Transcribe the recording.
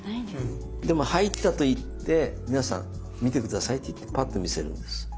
でも「入った」と言って「皆さん見て下さい」と言ってぱっと見せるんです。